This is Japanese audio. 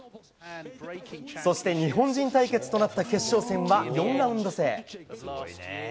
そして、日本人対決となった決勝戦は４ラウンド制。